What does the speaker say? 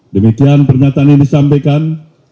demikian pernyataan ini disampaikan